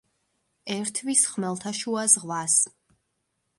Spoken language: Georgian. ერთვის ხმელთაშუა ზღვას.